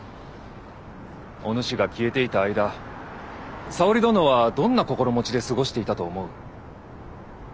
おぬしが消えていた間沙織殿はどんな心持ちで過ごしていたと思う？